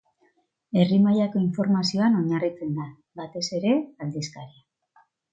Herri mailako informazioan oinarritzen da, batez ere, aldizkaria.